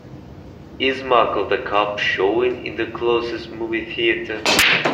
Is Mark of the Cop showing in the closest movie theatre